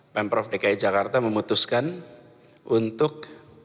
pemprov dki jakarta memutuskan untuk